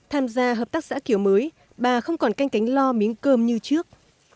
hợp tác xã kiểu mới bà không còn canh cánh lo miếng cơm như trước